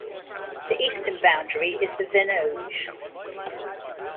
The eastern boundary is the Venoge.